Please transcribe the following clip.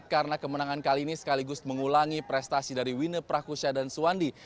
karena kemenangan kali ini sekaligus mengulangi prestasi dari wine prakusya dan suwandi